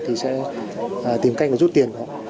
thì sẽ tìm cách rút tiền đó